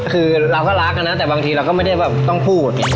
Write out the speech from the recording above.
คือเราก็รักนะแต่บางทีเราก็ไม่ได้แบบต้องพูด